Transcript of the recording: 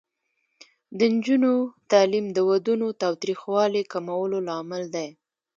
د نجونو تعلیم د ودونو تاوتریخوالي کمولو لامل دی.